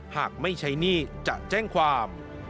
หากไม่ใช้หนี้จะแจ้งความ